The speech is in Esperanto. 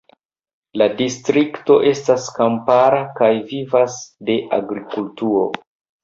La distrikto estas kampara kaj vivas de agrikulturo.